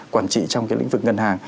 quản trị trong cái lĩnh vực ngân hàng